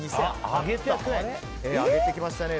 上げてきましたね。